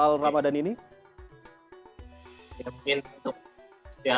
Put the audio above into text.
kalau gitu boleh dong ini apa kirim kirim salam mungkin untuk keluarga atau keluarga